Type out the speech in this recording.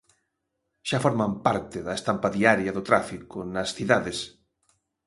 Xa forman parte da estampa diaria do tráfico nas cidades.